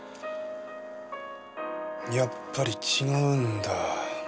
やっぱり違うんだ。